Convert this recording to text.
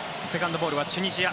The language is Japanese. セカンドボールはチュニジア。